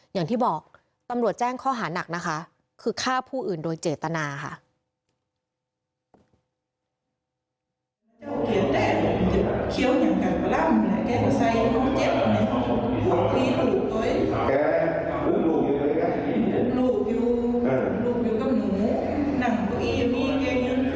อย่างที่บอกตำรวจแจ้งข้อหานักนะคะคือฆ่าผู้อื่นโดยเจตนาค่ะ